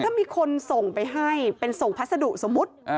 ถ้ามีคนส่งไปให้เป็นส่งพัสดุสมมุติ